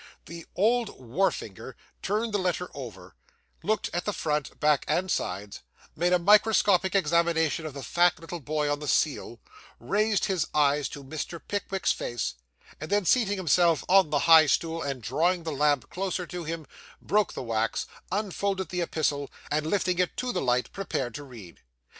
The old wharfinger turned the letter over, looked at the front, back, and sides, made a microscopic examination of the fat little boy on the seal, raised his eyes to Mr. Pickwick's face, and then, seating himself on the high stool, and drawing the lamp closer to him, broke the wax, unfolded the epistle, and lifting it to the light, prepared to read.